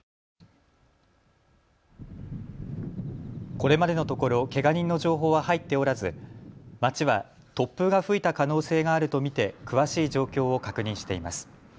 これまでのところ、けが人の情報は入っておらず、町は突風が吹いた可能性があると見て詳しい状況を確認しています。